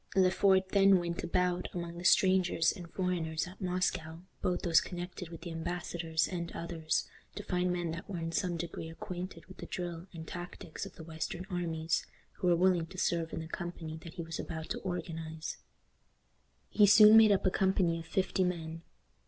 Le Fort then went about among the strangers and foreigners at Moscow, both those connected with the embassadors and others, to find men that were in some degree acquainted with the drill and tactics of the western armies, who were willing to serve in the company that he was about to organize. He soon made up a company of fifty men.